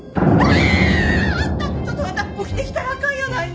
あ！！あんたちょっとあんた起きてきたらあかんやないの。